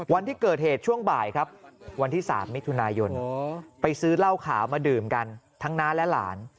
วันที่เกิดเหตุช่วงบ่ายครับวันที่๓มิถุนายนไปซื้อเหล้าขาวมาดื่มกันทั้งน้าและหลาน